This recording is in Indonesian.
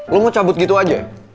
lo mau cabut gitu aja